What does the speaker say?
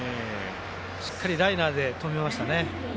しっかりライナーで飛びましたね。